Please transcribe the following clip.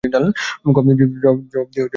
ক. জবাবদিহি হ্রাস পাওয়া